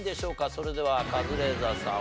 それではカズレーザーさん